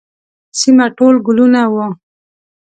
سیمه ټول ګلونه وه.